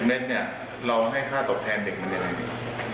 พอ๑๐นิดเราให้ค่าตกแทนเด็กมันยังไง